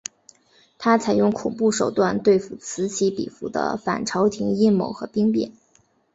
他采用恐怖手段对付此起彼伏的反朝廷阴谋和兵变。